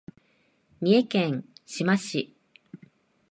三重県志摩市